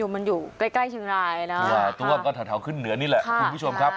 มันอยู่ใกล้ชึงรายนะตัวก็เทาขึ้นเหนือนี่แหละคุณผู้ชมครับ